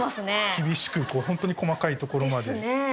厳しくホントに細かいところまで。ですね。